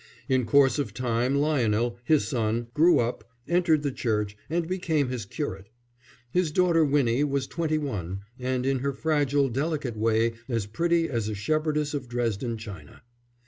In course of time Lionel, his son, grew up, entered the Church, and became his curate. His daughter Winnie was twenty one, and in her fragile, delicate way as pretty as a shepherdess of Dresden china.